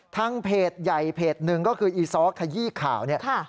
ทางเพจใหญ่เพจหนึ่งก็คืออีซ้อขยี้ข่าวเนี่ย